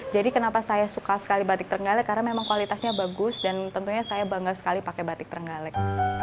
jadi kenapa saya suka sekali batik terenggalek karena memang kualitasnya bagus dan tentunya saya bangga sekali pakai batik terenggalek